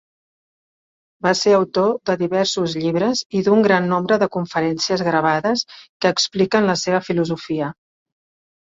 Va ser autor de diversos llibres i d'un gran nombre de conferències gravades que expliquen la seva filosofia.